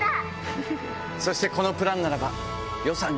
そしてこのプランならば。